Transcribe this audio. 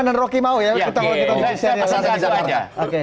saya pesan satu aja